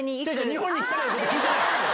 日本に来たらって聞いてない。